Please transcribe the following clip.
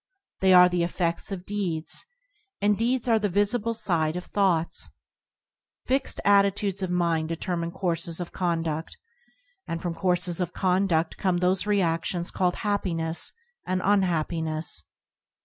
They are the efFedts of deeds, and deeds are the visible side of thoughts. Fixed attitudes of mind deter mine courses of conduct, and from courses of condu6l come those reactions called hap piness and unhappiness.